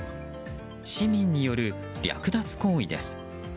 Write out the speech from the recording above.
市民による略奪行為です。